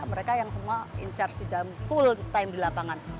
mereka yang semua in charge di dalam full time di lapangan